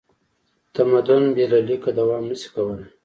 تمدن بې له لیکه دوام نه شي کولی.